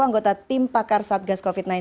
anggota tim pakar satgas covid sembilan belas